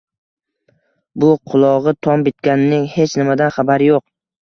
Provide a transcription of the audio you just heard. Bu qulog`i tom bitganning hech nimadan xabari yo`q